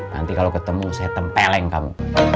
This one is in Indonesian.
nanti kalau ketemu saya tempeleng kamu